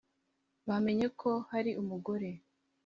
Bamenye ko hari umugore